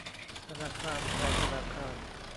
ธนาคารไทยธนาคาร